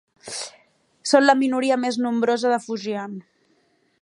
Són la minoria més nombrosa de Fujian.